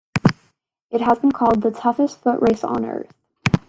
It has been called the toughest foot race on Earth.